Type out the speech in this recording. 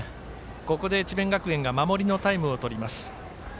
ここで智弁学園が守りのタイムをとります。